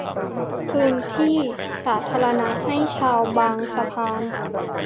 คืนที่ดินสาธารณะให้ชาวบางสะพาน